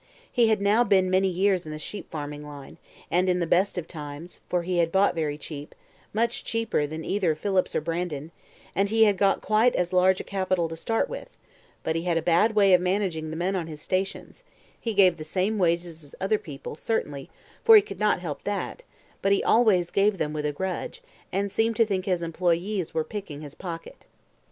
He had now been many years in the sheep farming line, and in the best of times, for he had bought very cheap much cheaper than either Phillips or Brandon, and he had quite as large a capital to start with; but he had a bad way of managing the men on his stations; he gave the same wages as other people, certainly, for he could not help that, but he always gave them with a grudge, and seemed to think his employes were picking his pocket.